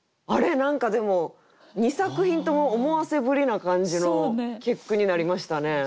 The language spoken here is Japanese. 何かでも２作品とも思わせぶりな感じの結句になりましたね。